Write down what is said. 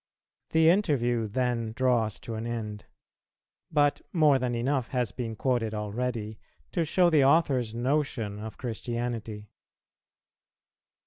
The interview then draws to an end; but more than enough has been quoted already to show the author's notion of Christianity.